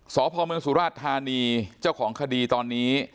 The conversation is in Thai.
สพเมืองสุราชธานีเจ้าของคดีตอนนี้